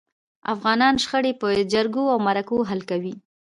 افغانان شخړي په جرګو او مرکو حل کوي.